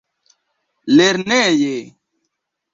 lerneje